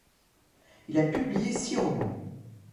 Il a publié six romans.